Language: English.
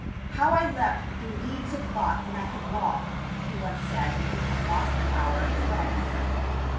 "How I leaped through leagues of thought when I could walk!" he once said when he had lost the power of his legs.